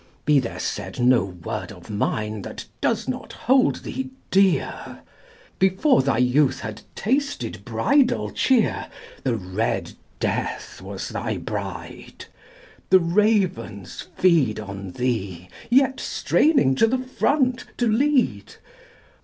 Be there said No word of mine that does not hold thee dear! Before thy youth had tasted bridal cheer, The red death was thy bride! The ravens feed On thee yet straining to the front, to lead.